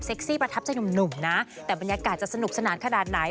ซี่ประทับใจหนุ่มนะแต่บรรยากาศจะสนุกสนานขนาดไหน